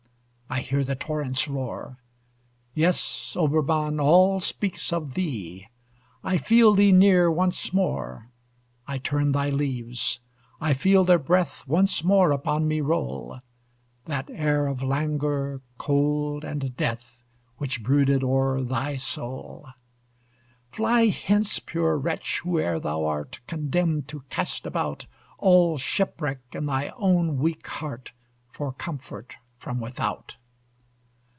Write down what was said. I hear the torrents roar. Yes, Obermann, all speaks of thee; I feel thee near once more. I turn thy leaves! I feel their breath Once more upon me roll; That air of languor, cold, and death, Which brooded o'er thy soul. Fly hence, poor wretch, whoe'er thou art, Condemned to cast about, All shipwreck in thy own weak heart, For comfort from without!